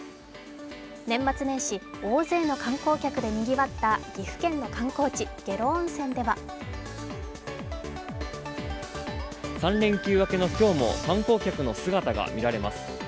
年末年始、大勢の観光客でにぎわった岐阜県の観光地・下呂温泉では３連休明けの今日も観光客の姿がみられます。